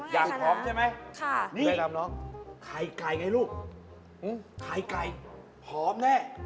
ยังพร้อมใช่ไหมแนะนำน้องไข่ไก่ไงลูกไข่ไก่พร้อมแน่